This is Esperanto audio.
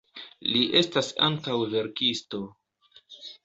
Li estas ankaŭ verkisto.